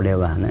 đều bảo là